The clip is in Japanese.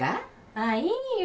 ああいいよ。